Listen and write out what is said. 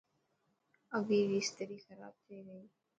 اوي ري استري کراب ٿي گئي.